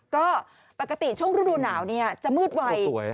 ก็ปกติช่วงฤดูหนาวจะมืดไว